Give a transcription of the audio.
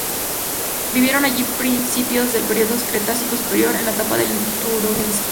Vivieron a principios del período Cretácico Superior, en la etapa del Turoniense.